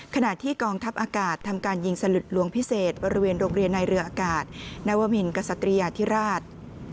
ขณะที่กองทัพอากาศทำการยิงสลุดหลวงพิเศษบริเวณโรงเรียนในเรืออากาศนวมินกษัตริยาธิราช